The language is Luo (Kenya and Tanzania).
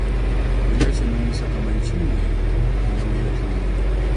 Ti gi weche manyiso kama ichung'ye kendo mayot winjo.